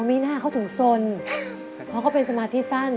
มีหน้าเขาถึงสนเพราะเขาเป็นสมาธิสั้น